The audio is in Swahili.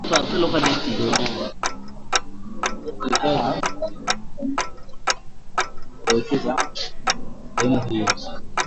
wawekezaji watawekeza sehemu hiyo